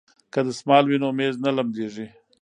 که دستمال وي نو میز نه لمدیږي.